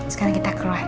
sekarang kita keluar